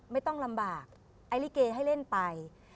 ไม่ต้องลำบากไอ้ลิเกให้เล่นไป